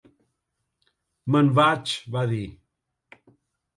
"Me'n vaig", va dir.